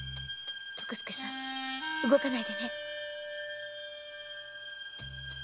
徳助さん動かないでね。